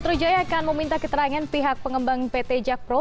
metro jaya akan meminta keterangan pihak pengembang pt jakpro